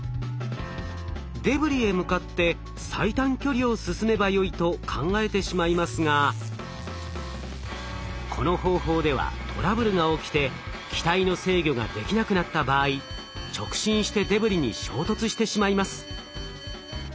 デブリへ向かって最短距離を進めばよいと考えてしまいますがこの方法ではトラブルが起きて機体の制御ができなくなった場合直進してデブリに衝突してしまいます。